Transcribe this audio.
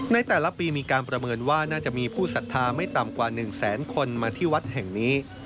ในแต่ละปีมีการประเมินว่าน่าจะมีผู้ศรัทธาไม่ต่ำกว่า๑แสนคนมาที่วัดแห่งนี้